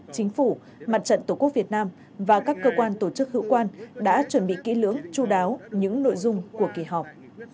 chính phủ mặt trận tổ quốc việt nam và các cơ quan tổ chức hữu quan đã chuẩn bị kỹ lưỡng chú đáo những nội dung của kỳ họp